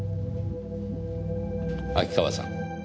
秋川さん